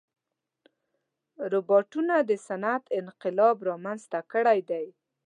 روبوټونه د صنعت انقلاب رامنځته کړی دی.